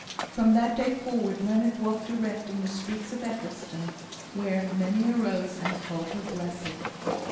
From that day forward Leonard walked erect in the streets of Eccleston, where "many arose and called her blessed."